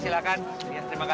silakan bu mari mari silakan